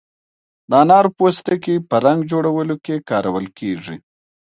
د انارو پوستکی په رنګ جوړولو کې کارول کیږي.